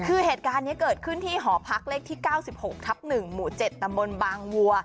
คือเหตุการณ์นี้เกิดขึ้นที่หอพักเลขที่๙๖ทับ๑หมู่๗ตำบลบางวัว